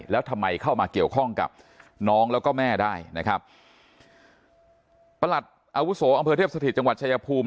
แล้วทำไมเข้ามาเกี่ยวข้องกับน้องแล้วก็แม่ได้นะครับประหลัดอาวุโสอำเภอเทพสถิตจังหวัดชายภูมิ